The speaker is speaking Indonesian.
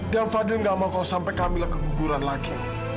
dan fadil gak mau kau sampai kamilah keguguran lagi